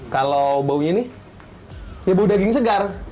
kalau baunya ini ya bau daging segar